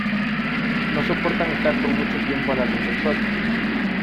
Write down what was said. No soportan estar por mucho tiempo a la luz del sol.